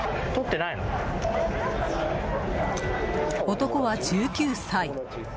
男は１９歳。